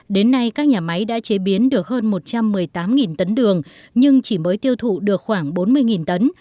đến nay các nhà máy đã chế biến được hơn một trăm một mươi tám tấn đường nhưng chỉ mới tiêu thụ được khoảng bốn mươi tấn